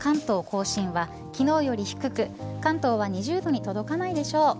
甲信は昨日より低く関東は２０度に届かないでしょう。